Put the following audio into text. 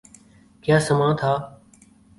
کیا سماں تھا۔